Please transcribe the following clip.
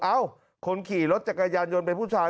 เอ้าคนขี่รถจักรยานยนต์เป็นผู้ชาย